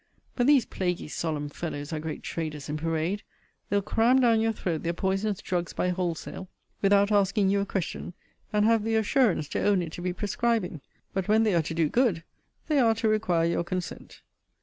But these plaguy solemn fellows are great traders in parade. They'll cram down your throat their poisonous drugs by wholesale, without asking you a question; and have the assurance to own it to be prescribing: but when they are to do good, they are to require your consent.